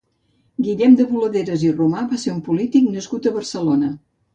Guillem de Boladeres i Romà va ser un polític nascut a Barcelona.